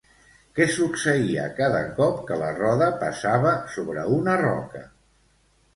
Què succeïa cada cop que la roda passava sobre una roca?